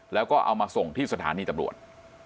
แล้วก็เอามาส่งที่สถานีตำรวจ